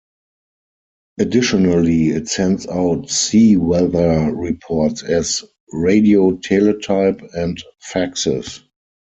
Additionally it sends out sea weather reports as radioteletype and faxes.